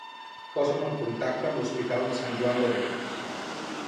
Posa'm en contacte amb l'Hospital de Sant Joan de Déu.